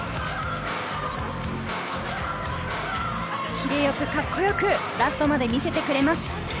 キレよくカッコよくラストまで見せてくれます。